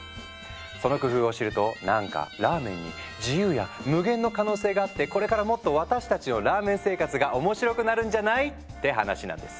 その工夫を知るとなんかラーメンに自由や無限の可能性があってこれからもっと私たちのラーメン生活が面白くなるんじゃない？って話なんです。